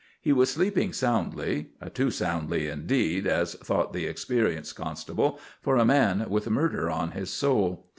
He was sleeping soundly—too soundly indeed, as thought the experienced constable, for a man with murder on his soul.